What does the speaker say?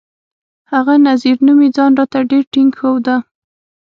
هغه نذير نومي ځان راته ډېر ټينګ ښوده.